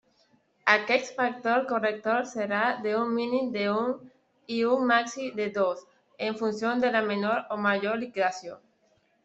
Aquest factor corrector serà d'un mínim d'un i un màxim de dos, en funció de la menor o major liquidació.